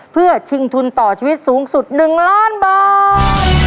เพื่อชิงทุนต่อชีวิตสูงสุด๑ล้านบาท